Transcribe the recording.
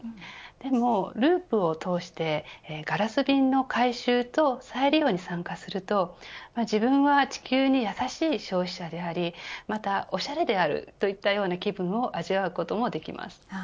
でもＬｏｏｐを通じてガラス瓶の回収と再利用に参加すると自分は地球にやさしい消費者でありまた、おしゃれであるといったような気分を味わうこともできます。